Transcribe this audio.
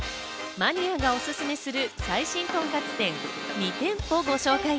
マニアがおすすめする最新とんかつ店、２店舗ご紹介。